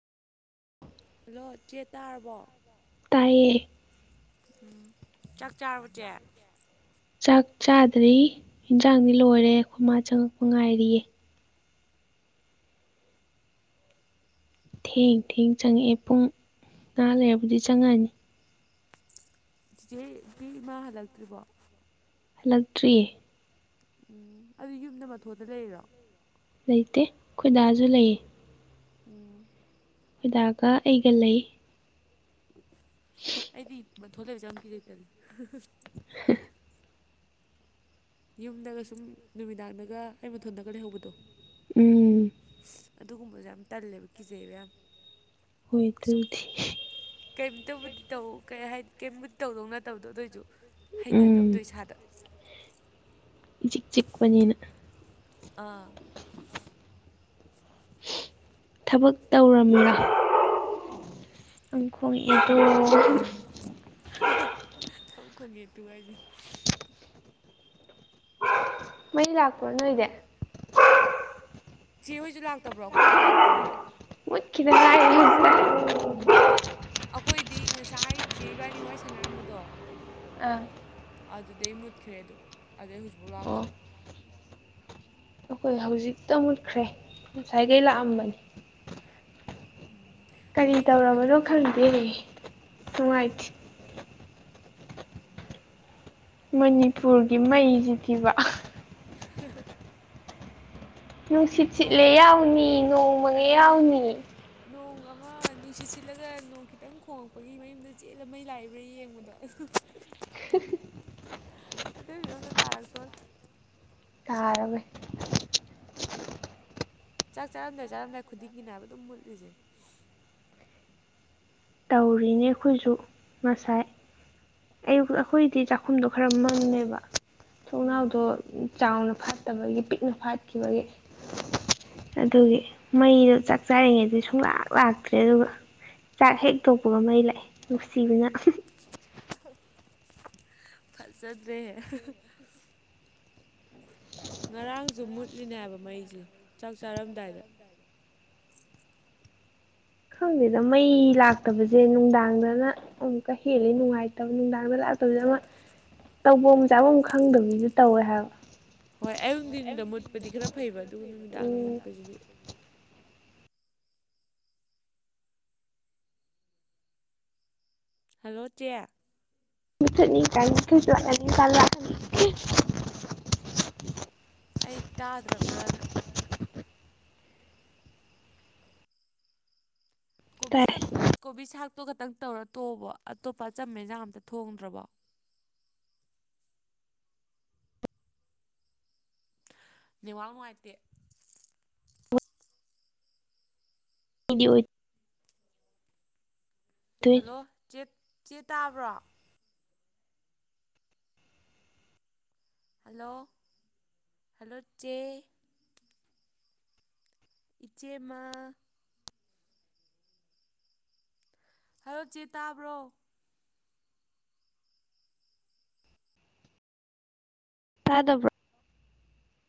hello ꯆꯦ ꯇꯥꯔꯕꯣ ꯇꯥꯏꯌꯦ ꯎꯝ ꯆꯥꯛ ꯆꯥꯔꯕꯣ ꯆꯦ ꯆꯥꯛ ꯆꯥꯗ꯭ꯔꯤ ꯍꯦꯟꯖꯥꯡꯗꯤ ꯂꯣꯏꯔꯦ ꯑꯩꯈꯣꯏ ꯃꯥ ꯆꯪꯉꯛꯄ ꯉꯥꯏꯔꯤꯌꯦ ꯊꯦꯡ ꯊꯦꯡ ꯆꯪꯉꯛꯑꯦ ꯄꯨꯡ ꯉꯍꯥꯛ ꯂꯩꯔꯕꯨꯗꯤ ꯆꯪꯉꯛꯑꯅꯤ ꯆꯤꯆꯦꯒꯤ ꯏꯃꯥ ꯍꯜꯂꯛꯇ꯭ꯔꯤꯕꯣ ꯍꯜꯂꯛꯇ꯭ꯔꯤꯌꯦ ꯎꯝ ꯑꯗꯨ ꯌꯨꯝꯗ ꯃꯊꯣꯟꯗ ꯂꯩꯔꯤꯔꯣ ꯂꯩꯇꯦ ꯈꯣꯏ ꯗꯥꯁꯨ ꯂꯩꯌꯦ ꯎꯝ ꯈꯣꯏ ꯗꯥꯒ ꯑꯩꯒ ꯂꯩ ꯑꯩꯗꯤ ꯃꯊꯣꯟ ꯂꯩꯕꯁꯦ ꯌꯥꯝ ꯀꯤ ꯇꯜꯂꯦ ꯍ ꯌꯨꯝꯗꯒ ꯁꯨꯝ ꯅꯨꯃꯤꯗꯥꯡꯗꯒ ꯑꯩ ꯃꯊꯣꯟꯗꯒ ꯂꯩꯍꯧꯕꯗꯣ ꯎꯝ ꯑꯗꯨꯒꯨꯝꯕꯁꯦ ꯌꯥꯝ ꯇꯜꯂꯦꯕ ꯀꯤꯖꯩꯕ ꯌꯥꯝ ꯍꯣꯏ ꯗꯨꯕꯨꯗꯤ ꯀꯔꯤꯝꯇꯕꯨꯗꯤ ꯇꯧ ꯀ ꯍꯥꯏꯗꯤ ꯀꯔꯤꯝꯇꯕꯨꯗꯤ ꯇꯧꯗꯧ ꯅꯠꯇꯕꯗꯣ ꯑꯗꯨꯑꯣꯏꯁꯨ ꯎꯝ ꯍꯩꯅꯗꯕꯗꯣ ꯏꯁꯥꯗ ꯏꯆꯤꯛ ꯆꯤꯛꯄꯅꯤꯅ ꯑꯥ ꯊꯕꯛ ꯇꯧꯔꯃꯤꯔꯥ ꯑꯗꯨꯈꯣꯡ ꯏꯗ ꯑꯃꯛ ꯈꯣꯡꯉꯦ ꯇꯨ ꯍꯥꯏꯁꯦ ꯃꯩ ꯂꯥꯛꯄꯣ ꯅꯣꯏꯗꯤ ꯁꯤꯍꯣꯏꯁꯨ ꯂꯥꯛꯇꯕ꯭ꯔꯣ ꯑꯩꯈꯣꯏꯁꯨ ꯂꯥꯛꯇꯤꯌꯦ ꯗꯦ ꯑꯩꯈꯣꯏꯗꯤ ꯉꯁꯥꯏꯆꯦꯕꯥꯅꯤꯋꯥꯏ ꯁꯥꯟꯅꯔꯝꯕꯗꯣ ꯑ ꯑꯗꯨꯗꯤꯩ ꯃꯨꯠꯈ꯭ꯔꯦ ꯑꯗꯨꯝ ꯑꯗꯨꯗꯩ ꯍꯧꯖꯤꯛꯐꯥꯎ ꯑꯣ ꯂꯥꯛꯇꯔꯤ ꯑꯩꯈꯣꯏ ꯍꯧꯖꯤꯛꯇ ꯃꯨꯠꯈ꯭ꯔꯦ ꯉꯁꯥꯏꯈꯩ ꯂꯥꯛꯑꯝꯕꯅꯤ ꯎꯝ ꯀꯔꯤ ꯃꯩꯁꯦ ꯍꯧꯖꯤꯛ ꯇꯧꯔꯕꯅꯣ ꯍꯟꯗꯛꯇꯤ ꯌꯥꯝ ꯈꯪꯗꯦ ꯅꯨꯡꯉꯥꯏꯇꯦ ꯅꯨꯡꯉꯥꯏꯇꯦ ꯃꯅꯤꯄꯨꯔꯒꯤ ꯃꯩꯁꯤ ꯗꯤꯕ [unintelligible] ꯅꯨꯡꯁꯤꯠ ꯅꯣꯡ ꯁꯤꯠꯂꯦ ꯌꯥꯎꯅꯤ ꯅꯣꯡ ꯃꯪꯉ‌ꯦ ꯌꯥꯎꯅꯤ ꯅꯣꯡ ꯑꯃ ꯅꯨꯡꯁꯤꯠ ꯁꯤꯠꯂꯒ ꯅꯣꯡ ꯈꯤꯇꯪ ꯈꯣꯡꯉꯛꯄꯒꯤ ꯃꯌꯨꯝꯗ ꯆꯦꯜꯂ ꯃꯩ ꯂꯥꯛꯏꯕ꯭ꯔꯥ ꯌꯦꯡꯕꯗꯣ [unintelligible] [unintelligible] ꯑꯗꯨꯏ ꯐꯤꯚꯝꯗ‌ꯣ ꯇꯥꯔꯛꯇꯣꯔ ꯇꯥꯔꯃꯦ ꯆꯥꯛ ꯆꯥꯔꯝꯗꯥꯏ ꯆꯥꯔꯝꯗꯥꯏ ꯈꯨꯗꯤꯡꯒꯤꯅꯦ ꯍꯥꯏꯕ ꯑꯗꯨꯝ ꯃꯨꯠꯂꯤꯁꯦ ꯇꯧꯔꯤꯅꯦ ꯑꯩꯈꯣꯏꯁꯨ ꯉꯁꯥꯏ ꯑꯌꯨ ꯑꯩꯈꯣꯏꯗꯤ ꯆꯥꯛꯈꯨꯝꯗꯣ ꯈꯔ ꯃꯝꯃ‌ꯦꯕ ꯎꯝ ꯊꯣꯡꯅꯥꯎꯗꯣ ꯆꯥꯎꯅ ꯐꯥꯠꯇꯕꯒꯤ ꯄꯤꯛꯅ ꯐꯥꯠꯈꯤꯕꯒꯤ ꯑꯗꯨꯒꯤ ꯃꯩꯗꯣ ꯆꯥꯛ ꯆꯥꯔꯤꯉꯩꯗ ꯁꯨꯡꯂꯥꯛ ꯂꯥꯛꯇ꯭ꯔꯦ ꯑꯗꯨꯒ ꯆꯥꯛ ꯍꯦꯛ ꯇꯣꯛꯄꯒ ꯃꯩ ꯂꯥꯛꯑꯦ ꯅꯨꯡꯁꯤꯕꯅ ꯐꯖꯗ꯭ꯔ‌ꯦꯍ‌ꯦ ꯉꯔꯥꯡꯖꯨ ꯃꯨꯠꯂꯤꯅꯦ ꯍꯥꯏꯕ ꯃꯩꯁꯦ ꯆꯥꯛ ꯆꯥꯔꯝꯗꯥꯏꯗ ꯈꯪꯗ‌ꯦꯗ ꯃꯩ ꯂꯥꯛꯇꯕꯁꯦ ꯅꯨꯡꯗꯥꯡꯗꯅ ꯑꯃꯨꯛꯀ ꯍꯦꯜꯂꯤ ꯅꯨꯡꯉꯥꯏꯇꯕ ꯅꯨꯡꯗꯥꯡꯗ ꯂꯥꯛꯇꯕꯗꯁ‌ꯦ ꯑꯃ ꯇꯧꯕꯝ ꯆꯥꯐꯝ ꯈꯪꯗꯕꯤꯁꯨ ꯇꯧꯋꯦ ꯍꯥꯏꯕ ꯍꯣꯏ ꯑꯩꯌꯨꯛ ꯅꯨꯡꯊꯤꯟꯗ ꯃꯨꯠꯄꯗꯤ ꯈꯔ ꯐꯩꯕ ꯑꯗꯨꯒ ꯅꯨꯃꯤꯗꯥꯡꯗ ꯎꯝ ꯃꯨꯠꯄꯁꯤꯗꯤ ꯍꯜꯂꯣ ꯆꯦ ꯃꯨꯊꯠꯅꯤ [unintelligible] ꯑꯩ ꯇꯥꯗ꯭ꯔꯕ꯭ꯔꯥꯅ ꯀꯣꯕꯤ ꯇꯥꯏ ꯁꯥꯛ ꯀꯣꯕꯤ ꯁꯥꯛꯇꯣ ꯈꯛꯇꯪ ꯇꯧꯔ ꯇꯣꯛꯑꯕ‌ꯣ ꯑꯇꯣꯞꯄ ꯑꯆꯝꯕ ꯑꯦꯟꯖꯥꯡ ꯑꯝꯇ ꯊꯣꯡꯗ꯭ꯔꯕꯣ ꯅ‌ꯦꯋꯥꯥꯛ ꯅꯨꯡꯉꯥꯏꯇꯦ ꯗꯤ ꯑꯣꯏ ꯑꯣꯏꯗꯣꯏꯅꯤ ꯍꯜꯂ‌ꯣ ꯆ‌ꯦ ꯆꯦ ꯇꯥꯕ꯭ꯔꯣ ꯍꯜꯂꯣ ꯍꯜꯂꯣꯆꯦ ꯏꯆꯦ ꯃꯥ ꯍꯥꯔ‌ꯣ ꯆꯦ ꯇꯥꯕ꯭ꯔꯣ ꯇꯥꯗꯕ꯭ꯔ‌ꯣ